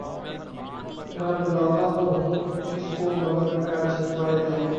میں بلاتا تو ہوں اس کو مگر اے جذبہ ِ دل